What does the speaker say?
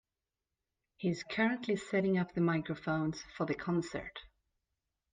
He is currently setting up the microphones for the concert.